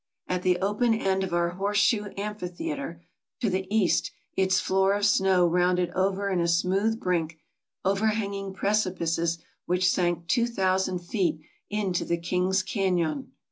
At the open end of our horseshoe amphitheater, to the east, its floor of snow rounded over in a smooth brink, overhanging precipices which sank 2000 feet into the King's Canon.